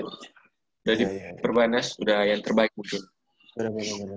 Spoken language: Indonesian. jadi purwanas udah yang terbaik buat gue